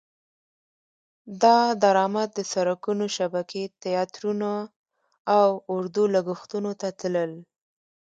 دا درامد د سرکونو شبکې، تیاترونه او اردو لګښتونو ته تلل.